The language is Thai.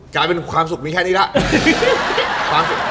กลายเป็นความสุขมีแค่นี้แล้ว